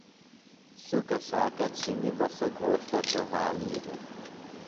شُکہ شاکہ چِھنیۡ بہ سوۡ گھوݜٹہ تھےۡ وھالی دےۡ۔